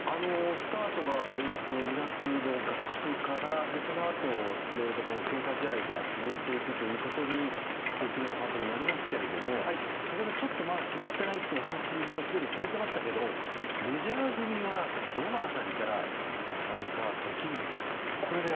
スタートが２月の合宿からでそのあと、いろいろ強化試合が続いていくことになりますが先ほどまだ決まっていないというお話をすでにされてましたけどメジャー組はどの辺りから参加できるんですか？